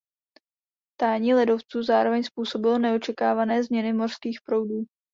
Tání ledovců zároveň způsobilo neočekávané změny mořských proudů.